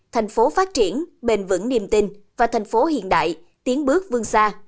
thành phố phát triển bền vững niềm tin và thành phố hiện đại tiến bước vương xa